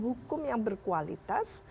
hukum yang berkualitas